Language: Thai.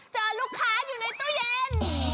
เจอลูกค้าอยู่ในตู้เย็น